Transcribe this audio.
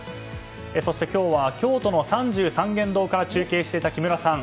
そして今日は京都の三十三間堂から中継していた木村さん。